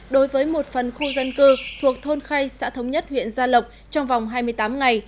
đối với một phần khu dân cư thuộc thôn khay xã thống nhất huyện gia lộc trong vòng hai mươi tám ngày